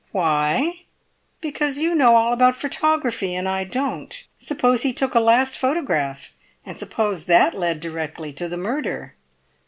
"Why?" "Because you know all about photography and I don't. Suppose he took a last photograph, and suppose that led directly to the murder!"